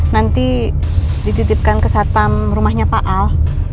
nanti dititipkan ke satpam rumahnya pak al